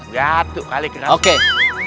gak tuh kali keras